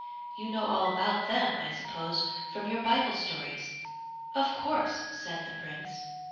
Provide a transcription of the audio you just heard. You know all about them I suppose from your Bible stories?' 'Of course,' said the Prince.